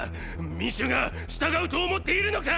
民衆が従うと思っているのか